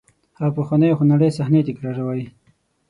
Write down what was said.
هغه پخوانۍ خونړۍ صحنې تکراروئ.